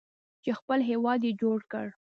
چې خپل هیواد یې جوړ کړ.